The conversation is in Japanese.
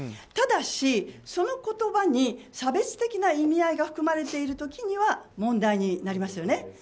ただし、その言葉に差別的な意味合いが含まれている時には問題になりますよね。